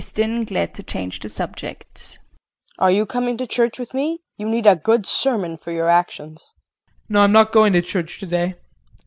KRISTIN [Glad to change the subject]. Are you coming to church with me? You need a good sermon for your actions. JEAN. No, I'm not going to church today.